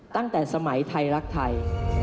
ตั้งแต่สมัยไทยรักไทย